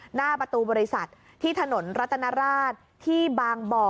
หน้าประตูบริษัทที่ถนนรัตนราชที่บางบ่อ